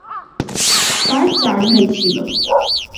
তার চার ভাই ছিল।